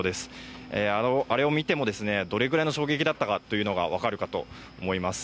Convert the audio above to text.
あれを見てもどれくらいの衝撃だったかが分かるかと思います。